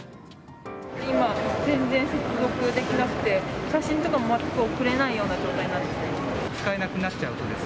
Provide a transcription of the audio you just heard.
今、全然接続できなくて、写真とかも全く送れないような状態になっています。